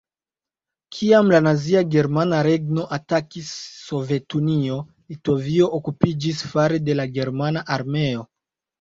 Kiam la nazia Germana Regno atakis Sovetunion, Litovio okupiĝis fare de la germana armeo.